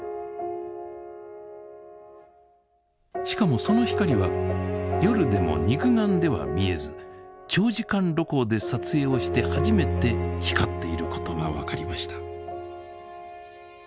しかもその光は夜でも肉眼では見えず長時間露光で撮影をして初めて光っていることが分かりました。